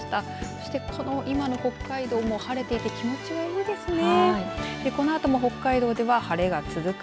そして、その北海道も今晴れていて気持ちがいいですね。